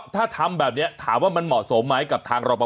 ถ้าทำแบบนี้ถามว่ามันเหมาะสมไหมกับทางรอปภ